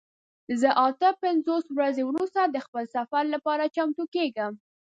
زه اته پنځوس ورځې وروسته د خپل سفر لپاره چمتو کیږم.